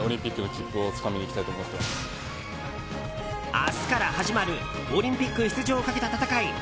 明日から始まるオリンピック出場をかけた戦い。